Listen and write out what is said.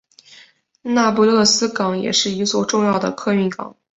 那不勒斯港也是一座重要的客运港。